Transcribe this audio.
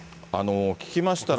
聞きましたら。